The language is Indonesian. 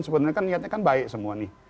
sebenarnya kan niatnya kan baik semua nih